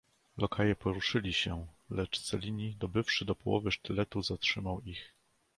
"Lokaje poruszyli się, lecz Cellini dobywszy do połowy sztyletu zatrzymał ich."